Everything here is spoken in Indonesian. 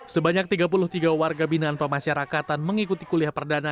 sebanyak tiga puluh tiga warga binaan pemasyarakatan mengikuti kuliah perdana